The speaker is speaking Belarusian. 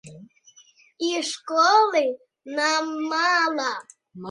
І школы нам мала.